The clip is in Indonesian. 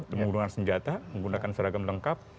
menggunakan senjata menggunakan seragam lengkap